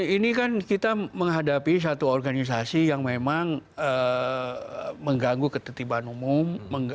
ini kan kita menghadapi satu organisasi yang memang mengganggu ketertiban umum